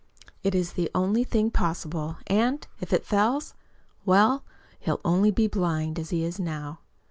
It is the only thing possible, and, if it fails well, he'll only be blind, as he is now.